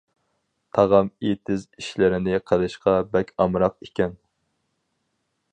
تاغام ئېتىز ئىشلىرىنى قىلىشقا بەك ئامراق ئىكەن.